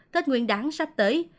tết nguyên đáng sắp tới